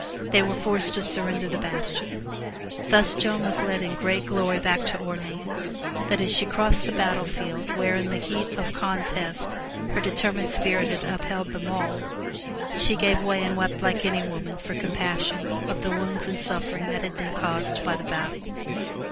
They were forced to surrender the bastion. Thus Joan was led in great glory back to Orleans, but as she crossed the battlefield where in the heat of contest her determined spirit had upheld them all, she gave way and wept like any woman for compassion of the wounds and suffering that had been caused by the battle.